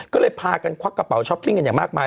ก็เลยพากันควักกระเป๋าช้อปปิ้งกันอย่างมากมาย